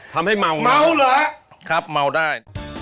ทำให้เมาครับเมาได้